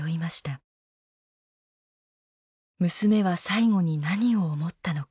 娘は最期に何を思ったのか。